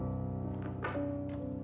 diagan erik yang pernah bersama saya